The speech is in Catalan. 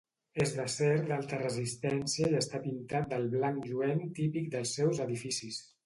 És d'acer d'alta resistència i està pintat del blanc lluent típic dels seus edificis.